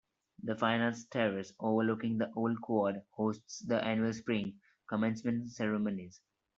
The Fine Arts Terrace, overlooking the Old Quad, hosts the annual spring commencement ceremonies.